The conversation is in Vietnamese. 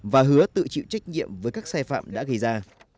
và hứa tự chịu trách nhiệm với các sai phạm đã gây ra